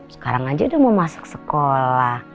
sekarang aja udah mau masak sekolah